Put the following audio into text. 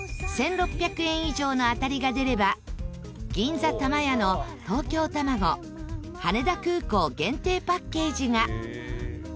１６００円以上の当たりが出れば銀座たまやの東京たまご羽田空港限定パッケージが。